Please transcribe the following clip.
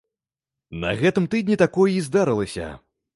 На гэтым тыдні такое і здарылася.